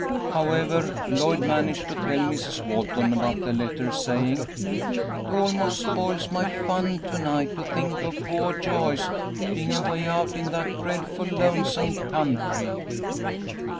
However, Lloyd managed to tell Mrs. Walton about the letter, saying: "It almost spoils my fun to night to think of poah Joyce being away out in that dreadful lonesome country."